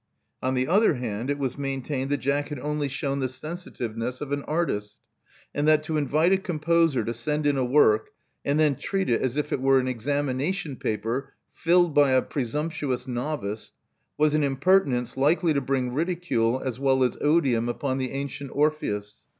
On the other hand, it was main tained that Jack had only shewn the sensitiveness of an artist, and that to invite a composer to send in a work and then treat it as if it were an examination paper filled by a presumptuous novice, was an impertinence likely to bring ridicule as well as odium upon the Antient Orpheus.